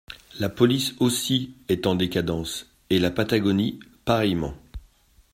La police aussi est en décadence… et la Patagonie pareillement…